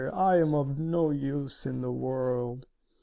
I am of no use in the world!"